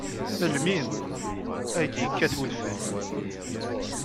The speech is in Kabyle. Melmi ay d-yekkat udfel?